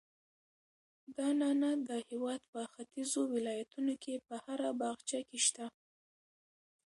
دا نعناع د هېواد په ختیځو ولایتونو کې په هر باغچه کې شته.